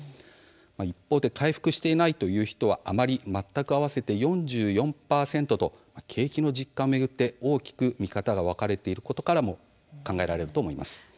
一方で回復していないという人はあまり、全く、合わせて４４％と景気の実感を巡って大きく見方が分かれていることからも考えられると思います。